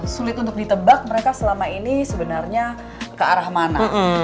sulit untuk ditebak mereka selama ini sebenarnya ke arah mana